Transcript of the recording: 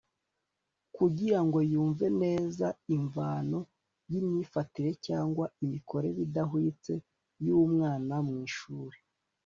kugira ngo yumve neza imvano y’imyifatire cyangwa imikorere idahwitse y’umwana mu ishuri